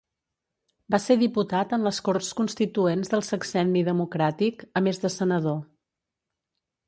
Va ser diputat en les Corts constituents del Sexenni Democràtic, a més de senador.